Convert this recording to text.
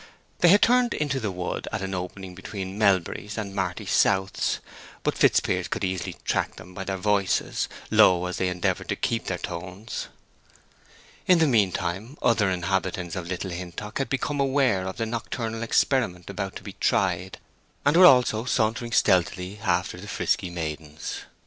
They had turned into the wood at an opening between Melbury's and Marty South's; but Fitzpiers could easily track them by their voices, low as they endeavored to keep their tones. In the mean time other inhabitants of Little Hintock had become aware of the nocturnal experiment about to be tried, and were also sauntering stealthily after the frisky maidens.